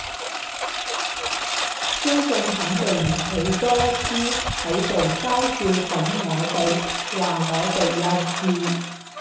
相信肯定好多豬喺度嘲笑緊我哋，話我哋幼稚